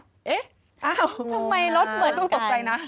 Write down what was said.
ทำไมรถเหมือนตู้ตกใจนะ